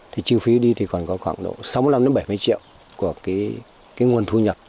thì chi phí đi thì còn có khoảng độ sáu mươi năm bảy mươi triệu của cái nguồn thu nhập